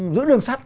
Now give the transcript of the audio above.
giữ đường sắt